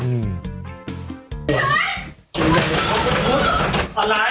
อ่าโฮลูกชายลูกชาย